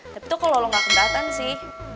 tapi tuh kalau lo gak kelihatan sih